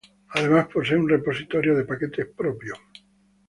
Además posee un repositorio de paquetes propio.